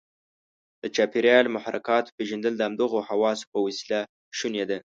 د چاپیریال محرکاتو پېژندل د همدغو حواسو په وسیله شونې ده.